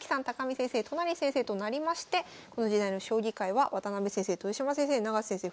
見先生都成先生となりましてこの時代の将棋界は渡辺先生豊島先生永瀬先生